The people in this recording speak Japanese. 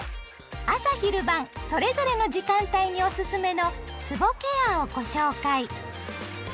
朝・昼・晩それぞれの時間帯におすすめのつぼケアをご紹介。